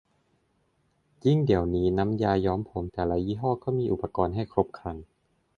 ยิ่งเดี๋ยวนี้น้ำยาย้อมผมแต่ละยี่ห้อก็มีอุปกรณ์ให้ครบครัน